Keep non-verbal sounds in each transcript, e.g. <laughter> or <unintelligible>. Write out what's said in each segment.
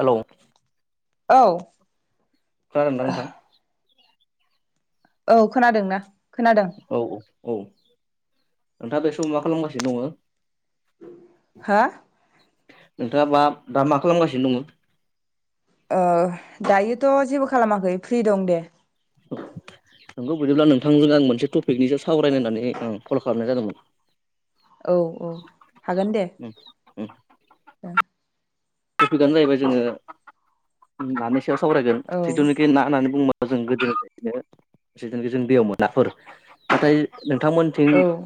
हेल' औ खोनदोंना नोंथां? औ खोनादोंना? खोनादों औ औ औ नोंथाङा बे समाव मा खालामगासिनो दङ? हा नोंथाङा मा दा मा खालामगासिनो दङमोन? ओ-दायोथ जेबो खालामाखै फ्रि दं दे। <unintelligible> नोंगौ बिदिब्ला नोंथांजों आं मोनसे टपिकनिसो सावरायलनो कल खालामनाय जादोंमोन। औ औ हागोन दे। उम उम टपिकआनो जाहैबाय जोङो नानि सायाव सावरायगोन जिथुनोखि ना होननानै बुंङोबा। जों गोदोनिफ्रायनो जों दैयाव मोनो नाफोर नाथाय। नोंथांमोनथिं औ ओं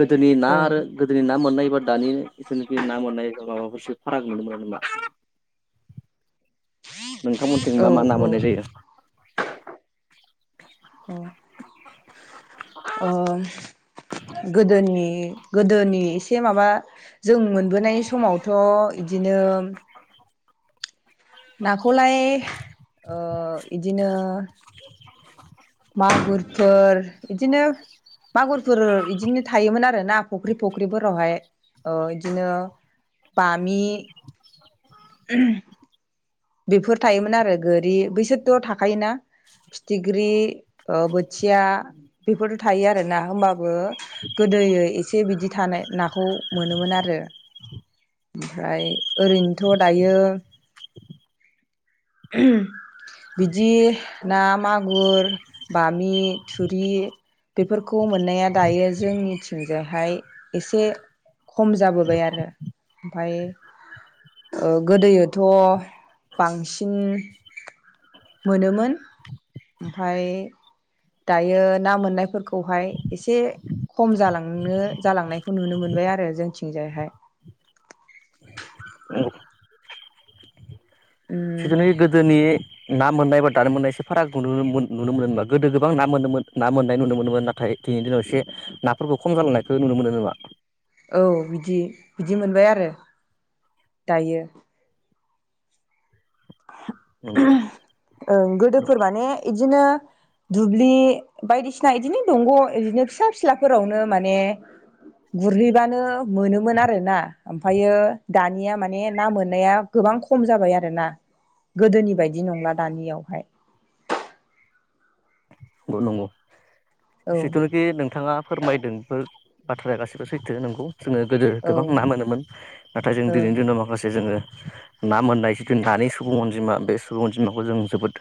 गोदोनि ना आरो गोदोनि ना मोननाय। दानि जेनोखि ना मोननाया माबामोनसे फाराग नुनो मोनो नामा? नोंथांमोनथि औ मा मा ना मोननाय जायो। अ अ गोदोनि गोदोनि एसे माबा जों मोनबोनाय समावथ। इदिनो <inaudible> नाखौलाय ओ-इदिनो मागुरफोर इदिनो। मागुरफोर इदिनो थायोमोन आरो ना फख्रि फख्रिफोरावहाय ओ-इदिनो। बामि उम बेफोर थायोमोन आरो गोरि बैसोरथ थाखायोना? फिथिग्रि बोथिया बेफोरथ थायो आरोना होमबाबो गो दै एसे बिदि थानाय नाखौ मोनोमोन आरो। ओमफ्राय ओरैनोथ दायो। <unintelligible> बिदि ना मागुर बामि थुरि। बेफोरखौ मोननाया दायो जोंनिथिंजोंहाय एसे। खम जाबोबाय आरो ओमफ्राय। गोदोयोथ बांसिन सिन मोनोमोन ओमफाय दायो ना मोननायफोरखौहाय एसे। खम जालांनो जालांनायखौ नुनो मोनबाय आरो जोंथिंजायहाय। उम <unintelligible> गोदोनि ना मोननायबा दानो मोननाय एसे फाराग नुनो मोन नुनो मोना गोदो गोबां ना मोनोमोन ना मोननाय नुनो मोनोमोन नाथाय। दिनैनि दिनाव एसे नाफोरखौ खम जालांनायखौ नुनो मोनो नमा? औ बिदि बिदि मोनबाय आरो दायो। नंगौ ओ गोदोफोर माने इदिनो। दुब्लि बायदिसिना बिदिनो दंग इदिनो फिसा फिला फोरावनो माने। गुरहैबानो मोनोमोन आरोना ओमफायो दानिया माने ना मोननाया गोब- बां खम जाबाय आरोना- गोदोनि बायदि नंला दानियावहाय। न नंगौ औ जिथुनाखि नोंथाङा फोरमायदोंबो- बाथ्राया गासैबो सैथो नोंगौ जोङो गोदो औ गोबां ना मोनोमोन नाथाय जों ओं दिनैनि दिनाव माखासे जोङो। <inaudible> ना मोननाय जिथु नानि सुबुं अनजिमा बे सुबुं अनजिमाखौ जों जोबोद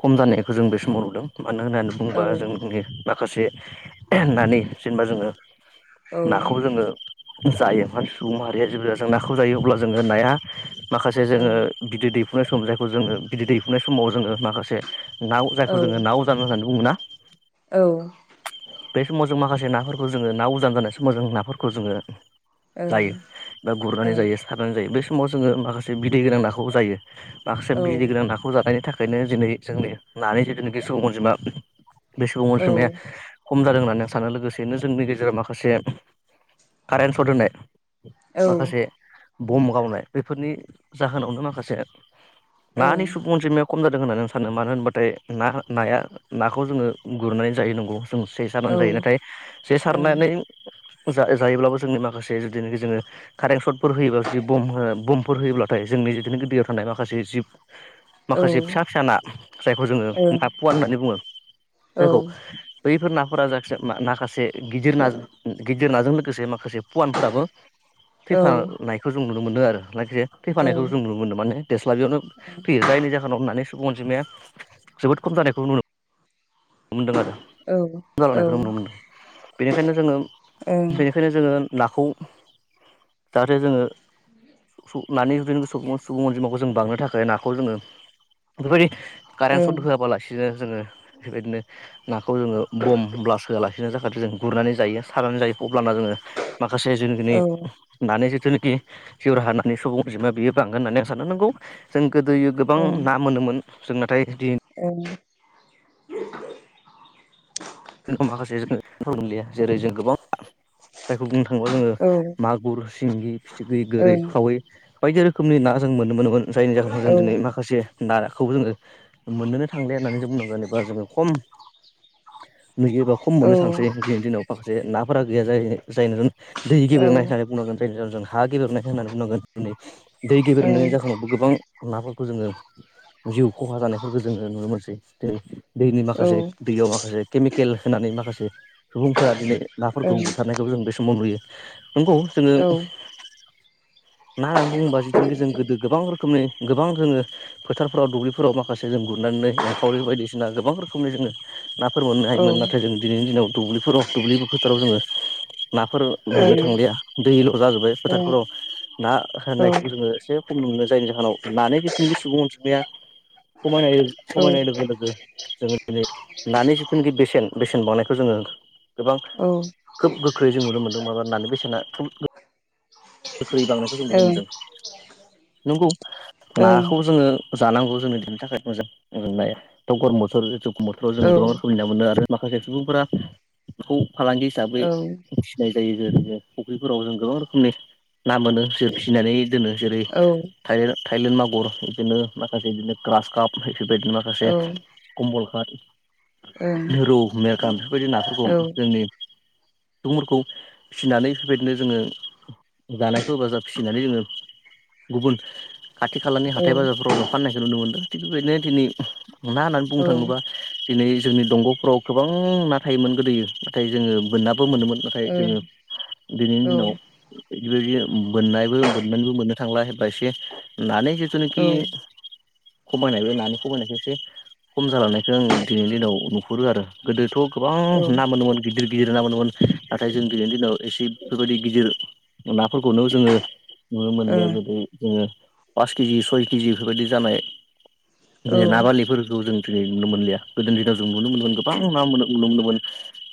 खम जानायखौ जों बे समाव नुदों। मानो होननानै औ बुङोबा जोंनि माखासे नानि जेनेबा जोङो नाखौ ओं जोङो जायो मानसि सुबुं माहारिया जेबोला जों ना खौ जायो अब्ला जोङो नाया माखासे जोङो बिदै दैफ फु नाय सम जायखौ जोंङो बिदै दै फुनाय समाव जोङो माखासे नाव जायखौ जोंङो नाव नु मोना औ बे समाव जों माखासे नाफोरखौ जोङो ना उजान जानाय समाव जों नाफोरखौ जोङो जायो बा गुरनानै जायो सारनानै जायो बे समाव जोङो माखासे बिदै गोनां नाखौबो जायो। माखासे ओं बिदि गोनां नाखौ जानायनि थाखायनो दिनै जोंनि नानि जिथुनाखि सुबुंअनजिमा बे सुबुं ओं अनजिमाया औ खम जादों होननानै आं सानो लोगोसेनो जोंनि गेजेराव माखासे कारेन्ट सर्ट होनाय माखासे बम गावनाय बेफोरनि जाहोनावनो माखासे औ नानि सुबुं अनजिमाया खम जादों होननानै आं सानो मानो होनबाथाय ना-नाया नाखौ जोङो गुरनानै जायो नांगौ। जों जे औ सारनानै ओं जायो नाथाय जे सारनानै जा-जायोब्लाबो जोंनि माखासे माखासे जुदिनोखि जोङो कारेन्ट सर्टफोर होयोबा जे बम होयोब्ला जुदि होयोब्लाथाय जोंनि जिथुनाखि दैयाव थानाय माखासे जिब औ माखासे ओं फिसा-फिसा ना जायखौ जोङो औ ओं फुवान होननानै बुङो नंगौ। बैफोर नाफोरा जा फिसा माखासे गिदिर ना, गिदिर नाजों लोगोसे माखासे पुवानफोराबो औ थैफानायखौ जों नुनो मोन्दों आरो लाखि औ थैफानायखौ जों नुनो मोनदों माने देस्लाबैयावनो थैयो जायनि जाहोनाव होननानै सुबुं अनजिमाया जोबोद खम जानायखौ नुनो मोनो बुंदों आरो। औ जालांनायखौ ओं नुनो मोनदों बेनिखायनो जोङो, ओं बेनिखायनो जोङो नाखौ जाहाथे जोङो नानि सुबुं अनजिमाखौ जों बांनो थाखाय नाखौ जोङो बेफोरबायदि औ कारेन्ट सट होआबालासिनो जोङो बेबायदिनो नाखौ जोङो बम ब्लास्ट होआलासिनो जा- जाखादों जों गुरनानै जायो सारानानै जायो अब्लाना जोङो माखासे जोंनि ओं नानि जिथुनाखि बिब्दि जिउ राहा होनानानै सुबुं अनजिमा बेयो बांगोन होननानै आं सानदों, नांगौ जों गोदोयो गोबां ओं ना मोनोमोन जों नाथाय दिनैनि <unintelligible> जों माखासे जों बुंलिया जेरै जों गोबां जायखौ बुंनो थाङोबा जोङो ओं मागुर, सिंगि, फिथिख्रि, गोरि, खावै बायदि रोखोमनि ना जों मोनोमोन जायनि जाहोनाव औ जों दिनै माखासे नाखौ जोङो मोननोनो थांलिया होननानै जों बुंनांगोन एबा जोङो खम नुयोबा खम औ मोननो ओं थांसै दिनैनि दिनाव माखासे नाफोरा गैया जायो जाय नुदों दै औ गेब्रेंनाय होननानै ओं बुंनांगोन जायनि जाउनाव जों हा गेब्रेंनाय होननानै बुंनांगोन दिनै दै गेब्रेंनायनि जाहोनावबो गोबां नाफोरखौ खौ जोङो जिउ खहा जानायफोरखौ जोङो नुनो मोनसै दिनै दैनि माखासे दैयाव माखासे केमिकेल होनानै माखासे सुबुंफोरा दिनै नाफोरखौ बुथारनायखौ जों बे समाव नुयो। नंगौ जोङो औ ना होननानै बुङोबा जिथुनाखि जोंङो गोदो गोबां रोखोमनि गोबां जोङो फोथारफोराव दुब्लिफोराव माखासे जों गुरनानै एंखावरि बायदिसिना गोबां रोखोमनि जोङो नाफोर मोनो ओं नाथाय जों दिनैनि दिनाव दुब्लिफोराव दुब्लि फोथाराव जोङो नाफोर मोननो थांलिया दैल' जाजोब्बाय ओं फोथारफोराव ना औ होनायखौ जोङो एसे नुनो जायनि जाहोनाव लानाय बिथिनि सुबुं अन औ सायनाय-समायनाय लोगो लोगो जोङो दिनै नानि जिथुनाखि बे बेसेन बांनायखौ जोङो गोबां ओं ओं खोब गोख्रोयै जों नुनो मोनदों माबा नानो बेसेना गोख्रै बांनायखौ जों नुनो मोनदों औ नंगौ नाखौ जोङो जानांगौ जोंनि थैनि थाखाय मोजां <unintelligible> गरम बोथोर जेथु गरम बोथोराव जोङो गोबां रोखोमनि ना मोनो आरो माखासे सुबुंफोरा बेखौ फालांगि औ हिसाबै मिथिनाय जायो जेरै फुख्रिफोराव जों गोबां रोखोमनि। ना मोनो फियो फिसिनानै दोनो जेरै ओं औ औ ओं थाइलेन थाइलेन मागुर बिदिनो माखासे बिदिनो ग्रास काप बेफोरबायदिनो औ माखासे औ कमल कात। रौ मेरगाम बेफोरबायदि ओं नाफोरखौ जोंनि सुबुंफोरखौ फिसिनानै बेबायदिनो जोङो जानायखौ हेफाजाब फिसिनानै जोङो गुबुन खाथि खालानि औ औ हाथाय बाजारफोराव जों फाननायखौ नुनो मोन्दों। खिन्थु बेबायदिनो दिनै ना होननानै बुंनो ओं थाङोबा दिनै जोंनि दंग'फ्राव गोबां ना थायोमोन गोदोयो नाथाय जोङो बोनना बो मोनोमोन नाथाय जोङो दिनैनि दिनाव बिदिनो बोननायबो बोननानैबो मोननो थांला बा एसे नानि जिथुनाखि खमायनाय बे नानि खमायनायख एसे खम जालांनायखौ आं दिनैनि दिनाव नुहुरो आरो। गोदोथ' गोबां ना मोनोमोन गिदिर गिदिर ना मोनोमोन नाथाय जों दिनैनि दिनाव एसे बेफोरबायदि गिदिर नाफोरखौनो जोङो नुनो मोनलिया। जेरै जों ओ पास केजि सय केजि बेफोरबायदि जानाय बे औ ओं ना बारलिफोरखौ जों जेरै नुनो मोनलिया। गोदो दिनाव जों नुनो मोनोमोन गोबां ना मोनो नुनो मोनदोंमोन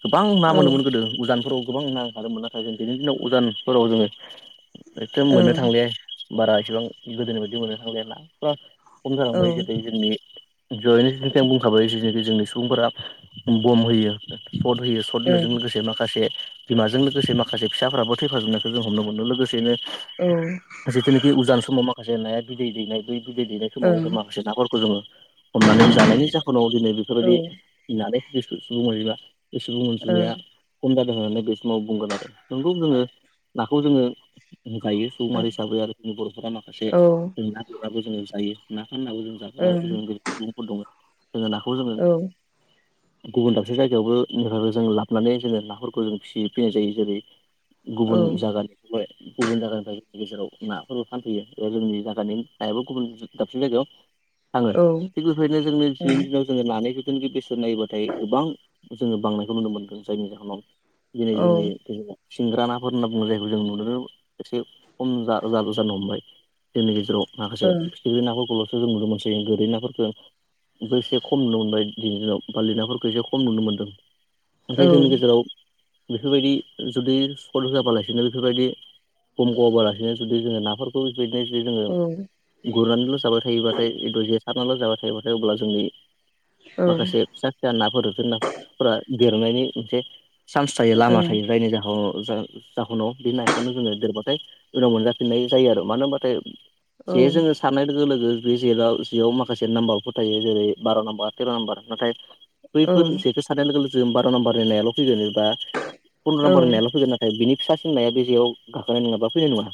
गोबां ना मोनोमोन गोदो। उजानफोराव गोबां ना ओंखारोमोन नाथाय जों दिनैनि दिनाव उजानफोराव जोङो एथ' मोननो थांलि बारा इसेबां गोदोनि बायदि मोननो थांल ना। फ्रा य खम जालांबाय गोदै जोंनि जयैनो जेथिया आं बुंखाबाय जेनोखि जोंनि सुबुंफोरा बम होयो। सट होयो सट होनायजों लोगोसे माखासे बिमाजों लोगोसे माखासे फिसाफ्राबो थैफाजोबनाय खो जों हमनो मोनो। लोगोसेनो जिथुनिखि उजान समाव माखासे नाया बिदै दैनाय बै बिदै दैेनाय समाव जों माखासे नाफोरखौ जोङो हमनानै जानायनि जाहोनाव दिनै औ बेफोरबायदि ओं औ नानि जेथु सुबुं अनजिमा बे सुबुं ओं अनजिमाया खम जादों होननानै बे समाव बुंगोन आरो। नोंगौ जोङो नाखौ जोङो जायो। सुबुंमाहारि हिसाबै आरो जोंनि बर'फोरा माखासे ओं औ जों ना गुरनाबो जोङो जायो ना फाननाबो जों जाग्रा ओं जों सुबुंफोर दङो। जोङो नाखौ जोङो औ गुबुन दाबसे जायगायावबो जों लाबोनानै जोङो नाफोरखौ जों फिसि फैनाय जायो। जेरै औ। गुबुन जायगानि गुबुन जायगानिफ्राय गेजेराव नाफोरबो फानफैयो एबा जोंनि जायगानि नायाबो गुबुन दाबसिन जायगायाव थाङो ओं थिग बेबायदिनो जोंनि दिनैनि दिनाव जोङो नानि <unintelligible> बेसेन नायोबाथाय गोबां जोङो बांनायखौ नुनो मोन्दों। जायनि जाहोनाव दिनै औ ओं जोंनि सिंग्रा नाफोर होनना जायखौ जों नुनो एसे खम जा-जानो हमबाय। जोंनि गेजेराव माखासे फिथिख्रि नाफोरखौल'सो जों नुनो मोनसै। गोरै नाफोरखौ बे एसे खम नुनो मोनबाय दिनैनि दिनाव बारलिनाफोरखौ एसे खम नुनो मोन्दों। औ ओमफाय ओं जोंनि गेजेराव बेफोरबायदि जुदि सर्ट होआबालाय नो बेफोरबायदि खम गवालासिनो जुदि जोङो नाफोरखौ बेबायदिनो जुदि जोङो गुरनानैल' जाबाय थायोबाथाय जे सारनानैल' जाबाय थायोबाथाय अब्ला जोंनि औ माखासे फिसा फिसा नाफोर जेनबा फोरा देरनायनि मोनसे सान्स थायो लामा थायो जायनि जाह' जों जाह'नाव बे नाखौनो जोङो देरबाथाय उनाव मोनजाफिननाय जायो आरो। मानो होनबाथाय औ औ जे जोङो सारनाय लोगो लोगो बे जेराव जियाव माखासे नाम्बारफोर थायो। जेरै बार' नाम्बार थेर' नाम्बार नाथाय बैफोर ओं जेखौ साननाय लोगो जों बार' नाम्बारनि नायाल' फैगोन बा औ पन्द्र' ओं औ नाम्बारनि नायाल' फैगोन नाथाय बिनि फिसा सिननाया बे जेयाव गाखोनाय नङा बा फैनाय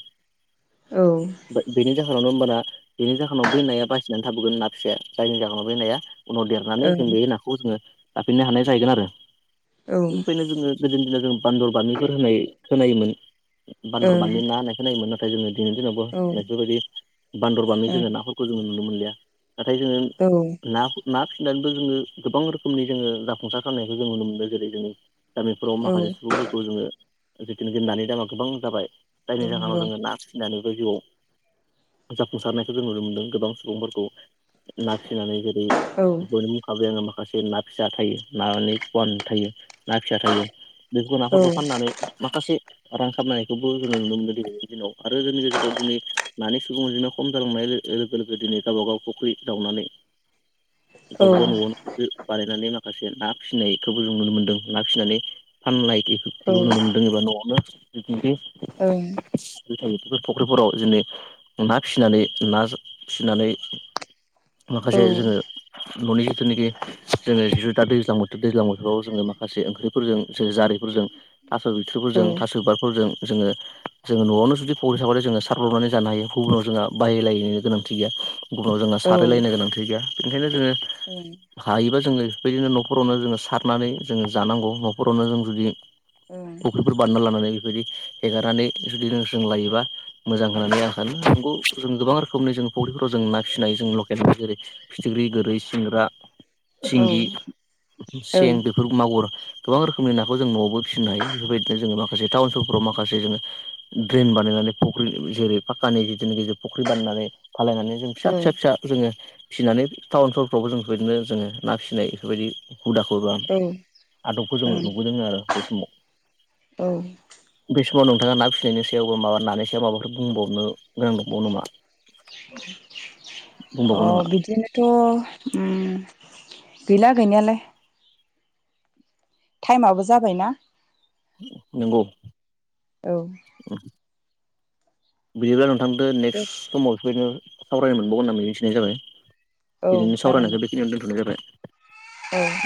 बिनि जा होनावनो होमबाना बेनि जाहोनाव बै नाया बासिनानै थाबोगोन ना फिसाया जायनि जाहोनाव बै नाया उनाव देरनानै जों बे नाखौ जोङो जाफिननो हानाय जाहैगोन आरो। ओखायनो जोङो गोदोनि दिनाव जो बान्दल बामिफोर होनाय खोनायोमोन बान्दर बामि ना होननाय खोनायोमोन नाथाय जोङो दिनैनि दिनावाबो बेफोरबायदि बान्दर बामि जोङो नाफोरखौ जोङो नुनो मोनलिया। नाथाय जोङो ना ना फिननानैबो जोङो गोबां रोखोमनि जोङो जाफुंसार खालामनायखौ जों नुनो मोनदों। जेरै जों गामिफोराव ओं औ माखासे सुबुंफोरखौ जोङो जिखुनि दोननानै दामा गोबां जाबाय औ जायनि जाहोनाव नंगौ जोङो ना फिसिनानै जिउआव जाफुंसारनायखौ जों नुनो मोनदों गोबां सुबुंफोरखौ नाफिसिनानै जेरै औ बयनो बुंखाबाय आङो मा माखासे ना फिसा थायो नानि पवान थायो ना फिसा थायो बेफोरखौ औ नाफोरखौ फाननानै माखासे रां खामानायखौबो जोङो नुनो मोनो दिनैनि दिनाव आरो जोंनि गेजेराव दिनै मानि सुबुंनो खम नाय लोगो-लोगो दिनै गावबा गाव फुख्रि जावनानै <inaudible> ओं गाबखौ न'आवनो बानायनानै माखासे ना फिसिनायखौबो जों नुनो मोन्दों ना फिसिनानै औ फानलायबो नुनो मोन्दों <unintelligible> औ थायो बेफोर फुख्रिफोराव जोंनि ना फिसिनानै ना फिसिनानै माखासे ओं जोङो न'नि जिथुनाखि जोङो जिथु दा दैज्लां बोथोर दैज्लां बोथोराव जोङो माखासे ओंख्रिफोरजों जे जारिफोर थास' बिथोरफोरजों थास' बिबारफोरजों जोङो जोङो न'आवनो जुदि फर्रि थाबाथाय जोङो सारब्लबनानै जानो हायो गुबुनाव जोंहा बाहायलायनायनिनो गोनांथि गैया। गुबुनाव जोंहा ओं औ ओं सारायलायनो गोनांथि गैया बेखायनो जोङो हायोबा जोङो बेबायदिनो न'खरावनो जोङो सारनानै जोङो जानांगौ न'खरावनो जों जुदि औ फुख्रिफोर बानायना लानानै बेफोरबायदि हेगारनानै जुदि जों लायोबा मोजां होननानै आं सानो। खौ जों गोबां रोखोमनि जों फख्रिफोराव जों ना फिसिनाय जों लकेल जेरै फिथिख्रि गोरै सिंग्रा सिंगि सें बेफोर मागुर गोबां रोखोमनि नाखौ जों न'आवबो फि हायो बेबायदिनो जों माखसे टाउन सोहोरफोराव माखासे जों ट्रेन बानायनानै फुख्रि जेरै फाक गेजेर गेजेर फुख्रि बानायनानै फालायनानै जों फिसा फिसा फिसा जोङो फिसिनानै टाउन सहरफ्रावबो जों बेफोरबायदिनो जोङो ना फिसिनाय बेफोरबायदि हुदाखौ एबा आदबखौ औ जो ओं नुबोदों आरो बे समाव औ बे समाव नोंथाङा ना फिसिनायनि सायाव बा माबा नानि सायाव माबाफोर बुंबावनो गोनां दंबावो नामा <inaudible> अ बुंबावगोन नामा बिदिनोथ' ओम गैला गैनायालाय टाइमाबो जाबायना नंगौ औ बिदिबा नोंथांदो दे नेक्स्ट समाव बेबायदिनो सावरायनो मोनबावोन होननानै मिथिनाय जाबाय औ दिनैनो जागोन दे सावरायनायखौ बेखिनियाव दोनथ'नाय जाबाय औ